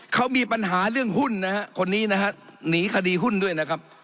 เขามีปัญหาเรื่องหุ้นนะฮะคนนี้นะฮะหนีคดีหุ้นด้วยนะครับ